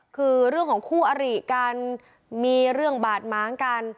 คือเรื่องของคู่อริกันมีเรื่องบาดม้างกัน